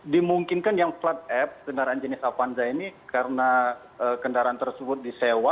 dimungkinkan yang flat f kendaraan jenis apanza ini karena kendaraan tersebut disewa